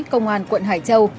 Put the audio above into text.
công an quận hải châu